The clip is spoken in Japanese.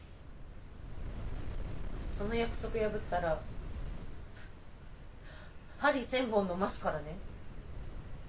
その約束破ったら針千本飲ますからね。